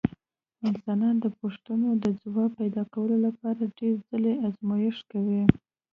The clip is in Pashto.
انسانان د پوښتنو د ځواب پیدا کولو لپاره ډېر ځله ازمېښت کوي.